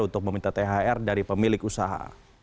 untuk meminta thr dari pemilik usaha